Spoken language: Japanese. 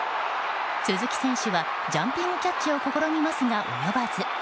鈴木選手はジャンピングキャッチを試みますが、及ばず。